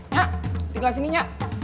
nyak tinggal sini nyak